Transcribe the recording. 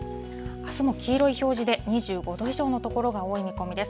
あすも黄色い表示で２５度以上の所が多い見込みです。